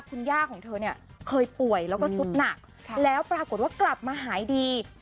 คุณย่าของเธอเนี่ยเคยป่วยแล้วก็สุดหนักแล้วปรากฏว่ากลับมาหายดี